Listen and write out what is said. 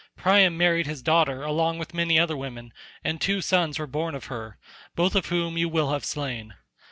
Priam married his daughter along with many other women and two sons were born of her, both of whom you will have slain.